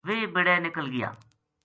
ویہ بیہڑے نکل گیا